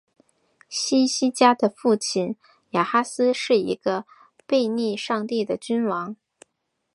希西家的父亲亚哈斯是一个背逆上帝的君王。